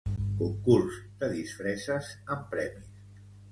Concurs de disfresses amb premis.